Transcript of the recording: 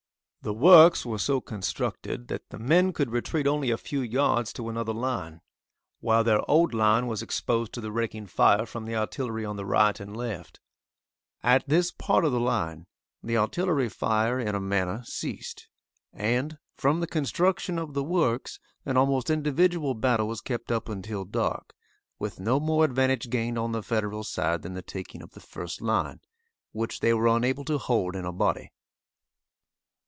The works were so constructed that the men could retreat only a few yards to another line, while their old line was exposed to the raking fire from the artillery on the right and left; at this part of the line, the artillery fire in a manner ceased, and, from the construction of the works, an almost individual battle was kept up until dark, with no more advantage gained on the Federal side than the taking of the first line, which they were unable to hold in a body.